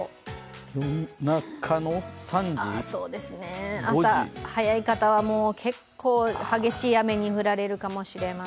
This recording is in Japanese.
夜中３時、５時朝早いからはもう結構、激しい雨に降られるかもしれません。